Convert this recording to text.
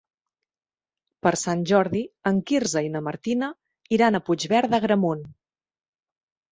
Per Sant Jordi en Quirze i na Martina iran a Puigverd d'Agramunt.